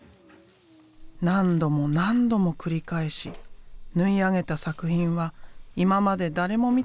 何度も何度も繰り返し縫い上げた作品は今まで誰も見たことのないものだった。